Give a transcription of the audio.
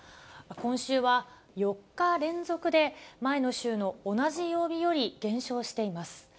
今週は４日連続で、前の週の同じ曜日より減少しています。